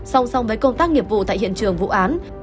song song với công tác nghiệp vụ tại hiện trường vụ án